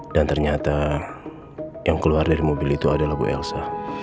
dan ternyata yang keluar dari mobil itu adalah bu elsa